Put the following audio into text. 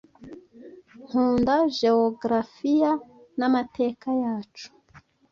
Nkunda geografiya n'amateka yacu.